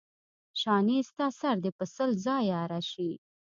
شانې ستا سر دې په سل ځایه اره شي.